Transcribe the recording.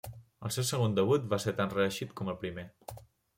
El seu segon debut va ser tan reeixit com el primer.